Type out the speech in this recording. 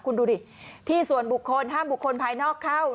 คุณดูดิที่ส่วนบุคคลห้ามบุคคลภายนอกเข้า